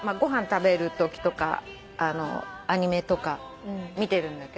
食べるときとかアニメとか見てるんだけど。